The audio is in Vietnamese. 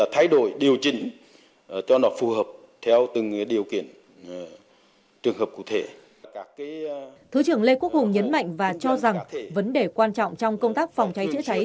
thứ trưởng lê quốc hùng nhấn mạnh và cho rằng vấn đề quan trọng trong công tác phòng cháy chữa cháy